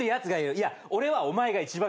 いや俺はお前が一番嫌い！